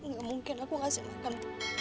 gak mungkin aku kasih makan